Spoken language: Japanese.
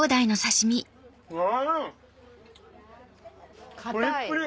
うわ！